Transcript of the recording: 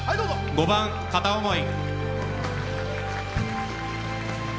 ５番「片想い」。